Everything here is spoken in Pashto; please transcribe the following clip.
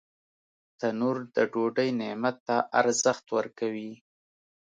تنور د ډوډۍ نعمت ته ارزښت ورکوي